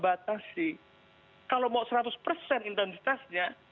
ada yang menarikan